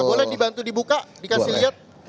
boleh dibantu dibuka dikasih lihat